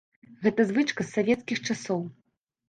Гэта звычка з савецкіх часоў.